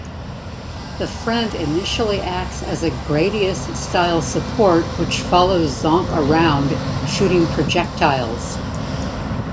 The friend initially acts as a "Gradius"-style support which follows Zonk around shooting projectiles.